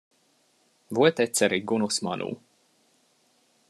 Volt egyszer egy gonosz manó.